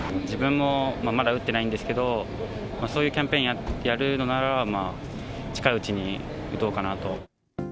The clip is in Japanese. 自分もまだ打ってないんですけど、そういうキャンペーンやるのなら、近いうちに打とうかなと。